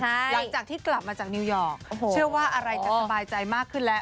หลังจากที่กลับมาจากนิวยอร์กเชื่อว่าอะไรจะสบายใจมากขึ้นแล้ว